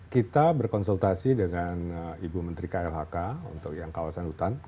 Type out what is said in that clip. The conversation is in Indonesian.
kita berkonsultasi dengan ibu menteri klhk untuk yang kawasan hutan